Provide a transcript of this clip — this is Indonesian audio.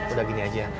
udah gini aja